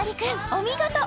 お見事！